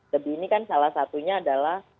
lebih ini kan salah satunya adalah